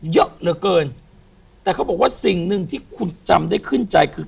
เยอะเหลือเกินแต่เขาบอกว่าสิ่งหนึ่งที่คุณจำได้ขึ้นใจคือ